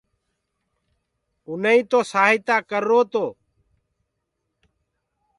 اُنآئين تو سآهتآ ڪررو تو